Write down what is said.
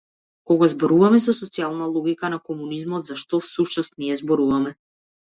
Кога зборуваме за социјална логика на комунизмот, за што, всушност, ние зборуваме?